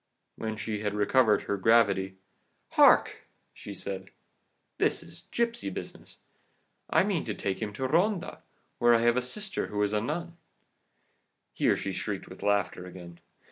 When she had recovered her gravity "'Hark!' she said, 'this is gipsy business. I mean him to take me to Ronda, where I have a sister who is a nun' (here she shrieked with laughter again).